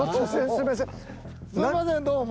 すみませんどうも。